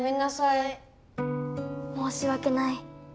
申し訳ない。